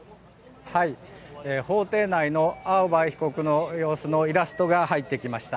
法廷内の青葉被告の様子のイラストが入ってきました。